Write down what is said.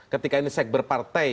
ketika ini sekber partai